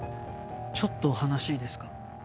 ちょっとお話いいですか？